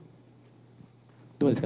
どうですか？